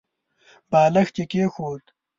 بالښت يې کېښود.